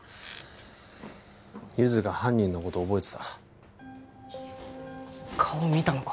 ゆづが犯人のこと覚えてた顔見たのか？